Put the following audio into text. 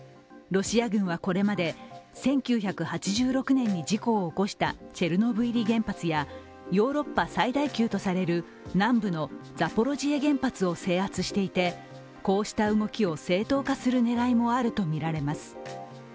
ロシア軍はこれまで、１９８６年に事故を起こしたチェルノブイリ原発やヨーロッパ最大級とされる南部のザポロジエ原発を制圧していてこうした動きを正当化する狙いもあるとみられます。